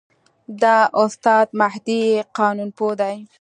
دا استاد مهدي قانونپوه دی.